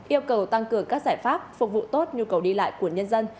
yêu cầu tăng cường các giải pháp phục vụ tốt nhu cầu đi lại của nhân dân